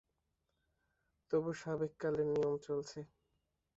তবু সাবেক কালের নিয়ম চলছে।